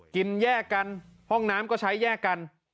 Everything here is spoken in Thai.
แยกกันห้องน้ำก็ใช้แยกกัน